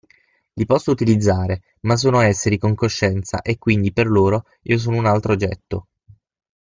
Li posso utilizzare, ma sono esseri con coscienza e quindi per loro io sono un altro oggetto.